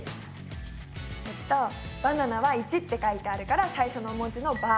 えっとバナナは①って書いてあるから最初の文字の「バ」。